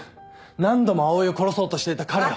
何度も葵を殺そうとしていた彼を。